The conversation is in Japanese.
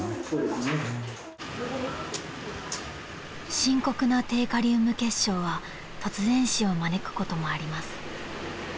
［深刻な低カリウム血症は突然死を招くこともあります］